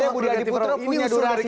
budi adiputro punya durasi